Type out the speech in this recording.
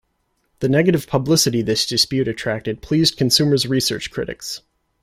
The negative publicity this dispute attracted pleased Consumers' Research critics.